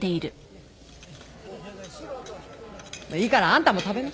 いいからあんたも食べな。